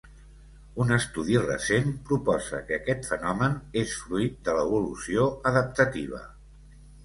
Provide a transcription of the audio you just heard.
Un estudi recent proposa que aquest fenomen és fruit de l'evolució adaptativa.